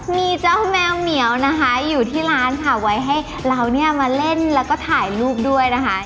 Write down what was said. มีเจ้าแมวเหมียวนะคะอยู่ที่ร้านค่ะไว้ให้เราเนี่ยมาเล่นแล้วก็ถ่ายรูปด้วยนะคะ